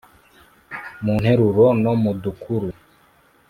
mu nteruro no mu dukuru.